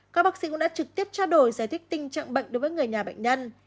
các bác sĩ cũng đã trực tiếp trao đổi giải thích tình trạng bệnh đối với người nhà bệnh nhân